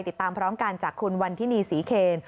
ติดตามพร้อมกันจากคุณวันทินีศรีเคน